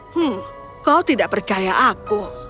hmm kau tidak percaya aku